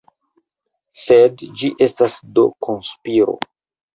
Sed ĝi estas do konspiro!